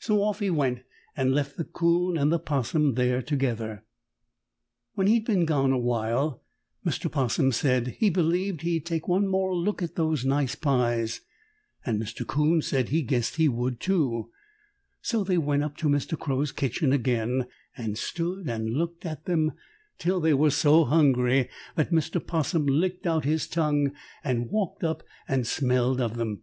So off he went and left the 'Coon and the 'Possum there together. [Illustration: STOOD AND LOOKED AT THEM.] When he'd been gone awhile Mr. 'Possum said he believed he'd take one more look at those nice pies, and Mr. 'Coon said he guessed he would, too. So they went up to Mr. Crow's kitchen again and stood and looked at them till they were so hungry that Mr. 'Possum licked out his tongue and walked up and smelled of them.